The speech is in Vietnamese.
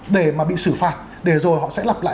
để mà bị xử phạt để rồi họ sẽ lặp lại